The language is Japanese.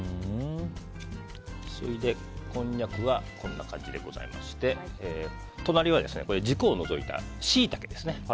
それで、こんにゃくがこんな感じでございまして隣は軸を除いたシイタケですね。